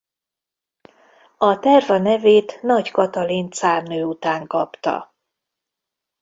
A terv a nevét Nagy Katalin cárnő után kapta.